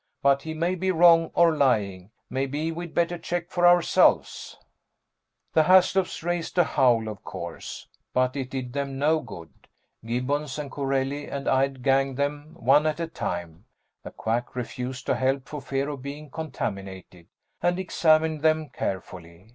"But he may be wrong, or lying. Maybe we'd better check for ourselves." The Haslops raised a howl, of course, but it did them no good. Gibbons and Corelli and I ganged them one at a time the Quack refused to help for fear of being contaminated and examined them carefully.